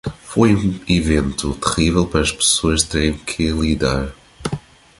Foi um evento terrível para as pessoas terem que lidar.